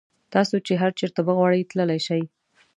تاسو چې هر چېرته وغواړئ تللی شئ.